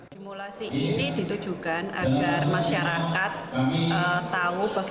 harus didampingnya gitu ya pak